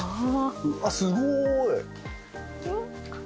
うわっすごーい。